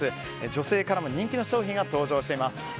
女性からも人気の商品が登場しています。